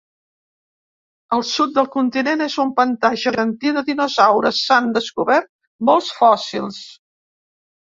El sud del continent és un pantà gegantí de dinosaures: s'han descobert molts fòssils.